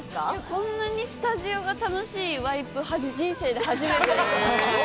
こんなにスタジオが楽しいワイプ、人生で初めて！